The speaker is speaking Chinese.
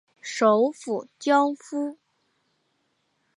首府焦夫。